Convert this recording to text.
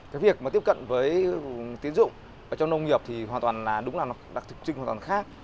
cái việc mà tiếp cận với tiến dụng ở trong nông nghiệp thì hoàn toàn là đúng là đặc thực trưng hoàn toàn khác